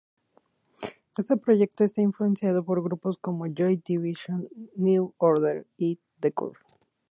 Este proyecto está influenciado por grupos como Joy Division, New Order y The Cure.